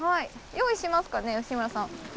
用意しますかね日村さん服。